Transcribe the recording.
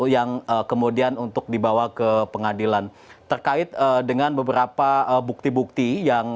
yang kemudian untuk dibawa ke pengadilan terkait dengan beberapa bukti bukti yang